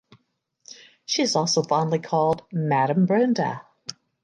She is also fondly called ""Madam Brenda"".